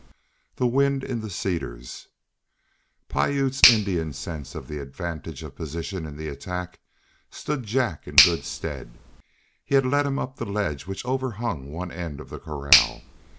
THE WIND IN THE CEDARS PIUTE'S Indian sense of the advantage of position in attack stood Jack in good stead; he led him up the ledge which overhung one end of the corral.